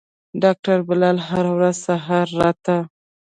ډاکتر بلال هره ورځ سهار راته.